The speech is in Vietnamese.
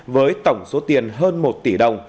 với tổng số tiền hơn một tỷ đồng